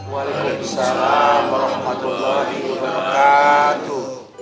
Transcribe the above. waalaikumsalam warahmatullahi wabarakatuh